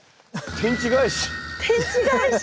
天地返し！